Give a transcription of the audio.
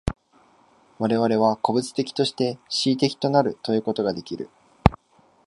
我々は個物的として思惟的となるということができる。